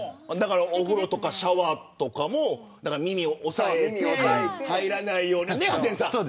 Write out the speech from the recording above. お風呂とかシャワーとかも耳を押さえて入らないように。